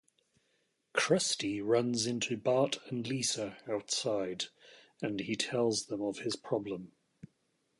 Krusty runs into Bart and Lisa outside, and he tells them of his problem.